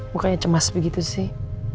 bukannya cemas begitu sih